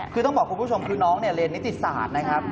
คือต้องบอกคุณผู้ชมคือน้องเนี่ยเรียนนิติศาสตร์นะครับ